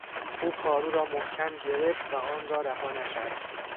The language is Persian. او پارو را محکم گرفت و آنرا رها نکرد.